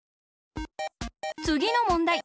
つぎのもんだい。